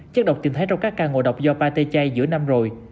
chất độc tìm thấy trong các ca ngồi độc do pate chay giữa năm rồi